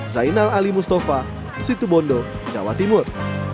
zainal ali mustafa situbondo jawa timur